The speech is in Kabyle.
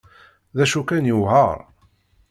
D acu kan, yewεer.